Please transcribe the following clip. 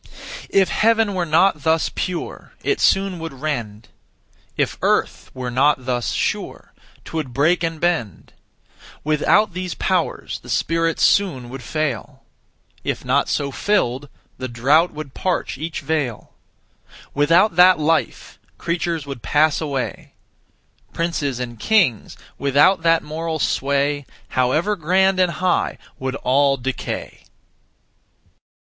If heaven were not thus pure, it soon would rend; If earth were not thus sure, 'twould break and bend; Without these powers, the spirits soon would fail; If not so filled, the drought would parch each vale; Without that life, creatures would pass away; Princes and kings, without that moral sway, However grand and high, would all decay.